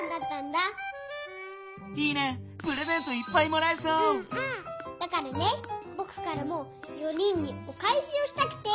だからねぼくからも４人におかえしをしたくて！